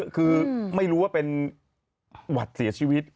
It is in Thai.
คือไม่รู้ว่าเป็นหวัดเสียชีวิต